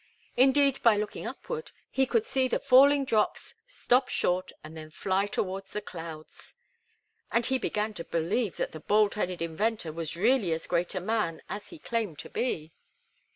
Indeed, by looking upward, he could see the falling drops stop short and then fly toward the clouds; and he began to believe that the bald headed inventor was really as great a man as he claimed to be.